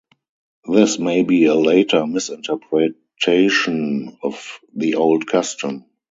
This may be a later misinterpretation of the old custom.